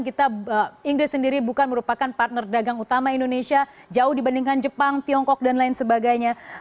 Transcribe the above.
kita inggris sendiri bukan merupakan partner dagang utama indonesia jauh dibandingkan jepang tiongkok dan lain sebagainya